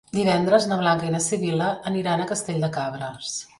Divendres na Blanca i na Sibil·la aniran a Castell de Cabres.